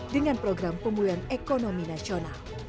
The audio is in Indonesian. dengan program pemulihan ekonomi nasional